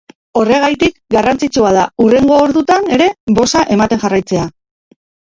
Horregatik, garrantzitsua da hurrengo orduetan ere boza ematen jarraitzea.